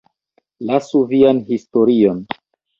Lasu vian historion!